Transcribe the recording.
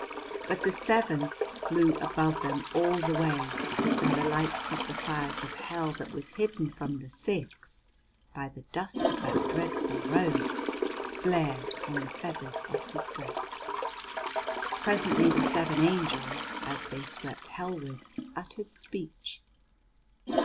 But the seventh flew above them all the way, and the light of the fires of Hell that was hidden from the six by the dust of that dreadful road flared on the feathers of his breast. Presently the seven angels, as they swept Hellwards, uttered speech.